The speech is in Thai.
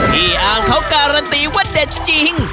พี่อามเขาการันตีว่าเด่นจริงจริง